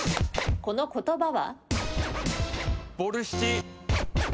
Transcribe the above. この言葉は？